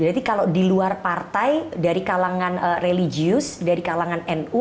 jadi kalau di luar partai dari kalangan religius dari kalangan nu